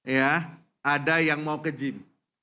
ya ada yang mau ke gym